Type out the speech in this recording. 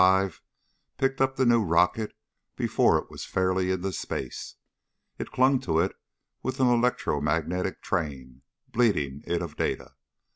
5 picked up the new rocket before it was fairly into space. It clung to it with an electromagnetic train, bleeding it of data.